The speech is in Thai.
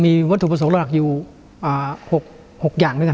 ที่วัดประสงค์ละหลักอยู่๖อย่าง